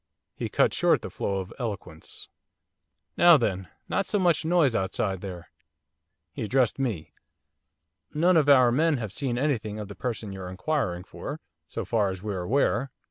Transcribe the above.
He cut short the flow of eloquence. 'Now then, not so much noise outside there!' He addressed me. 'None of our men have seen anything of the person you're inquiring for, so far as we're aware.